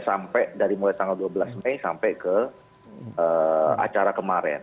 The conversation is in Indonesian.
sampai dari mulai tanggal dua belas mei sampai ke acara kemarin